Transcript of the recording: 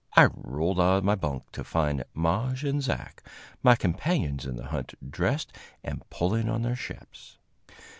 I rolled out of my bunk, to find Maje and Zach, my companions in the hunt, dressed and pulling on their shaps.